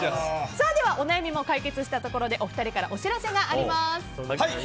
では、お悩みも解決したところでお二人からお知らせがあります。